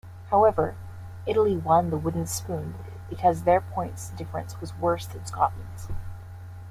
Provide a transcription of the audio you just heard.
However, Italy won the wooden spoon because their points difference was worse than Scotland's.